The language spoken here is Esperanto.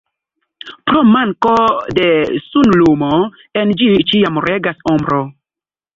Pro manko de sunlumo, en ĝi ĉiam regas ombro.